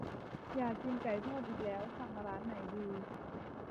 อยากกินไก่ทอดอีกแล้ว สั่งร้านไหนดี